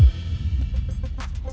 gue mau nungguin lo